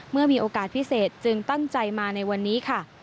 เมื่อมีโอกาสพิเศษจึงตั้งใจมาในวันนี้ค่ะ